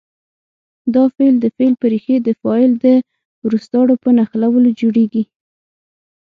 دا فعل د فعل په ریښې د فاعل د روستارو په نښلولو جوړیږي.